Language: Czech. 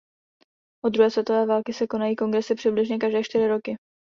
Od druhé světové války se konají kongresy přibližně každé čtyři roky.